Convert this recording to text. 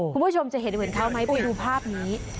คุณผู้ชมจะเห็นเหมือนเขาไหมไปดูภาพนี้